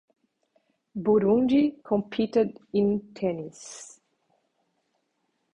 Burundi competed in tennis.